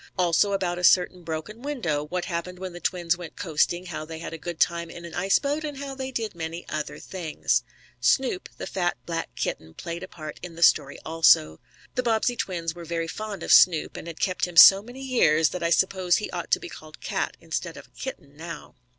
Also about a certain broken window; what happened when the twins went coasting, how they had a good time in an ice boat, and how they did many other things. Snoop, the fat, black kitten, played a part in the story also. The Bobbsey twins were very fond of Snoop, and had kept him so many years that I suppose he ought to be called cat, instead of a kitten, now.